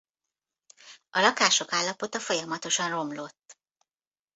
A lakások állapota folyamatosan romlott.